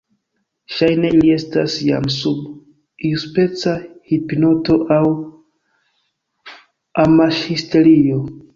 Ŝajne ili estas jam sub iuspeca hipnoto aŭ amashisterio.